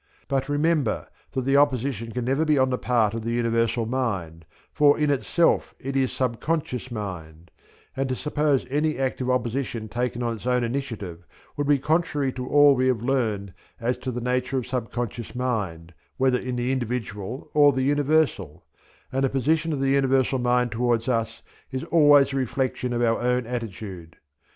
But remember that the opposition can never be on the part of the Universal Mind, for in itself it is sub conscious mind; and to suppose any active opposition taken on its own initiative would be contrary to all we have learnt as to the nature of sub conscious mind whether in the individual or the universal; the position of the Universal Mind towards us is always the reflection of our own attitude.